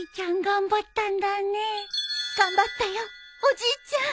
頑張ったよおじいちゃん